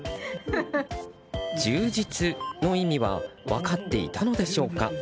充実の意味は分かっていたのでしょうか。